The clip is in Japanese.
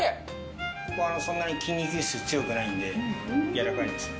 ここはそんなに筋肉質強くないんで、やわらかいですね。